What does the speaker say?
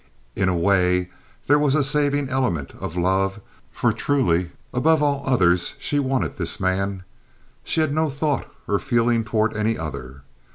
In a way, there was a saving element of love, for truly, above all others, she wanted this man. She had no thought or feeling toward any other.